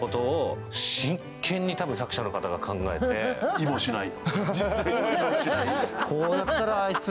いもしない？